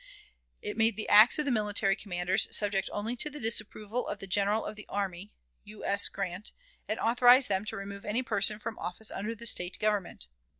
It made the acts of the military commanders subject only to the disapproval of the General of the Army, U. S. Grant, and authorized them to remove any person from office under the State government.